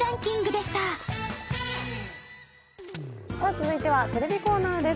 続いてはテレビコーナーです。